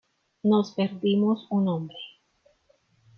Nos perdimos un hombre.